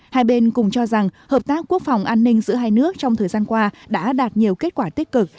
hai bên cùng cho rằng hợp tác quốc phòng an ninh giữa hai nước trong thời gian qua đã đạt nhiều kết quả tích cực